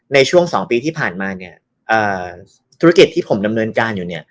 ในช่วง๒ปีที่ผ่านมาธุรกิจที่ผมดำเนินการอยู่